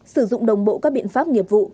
sử dụng đồng bộ các biện pháp nghiệp vụ